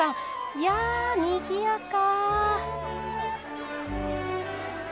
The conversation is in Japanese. いやにぎやか。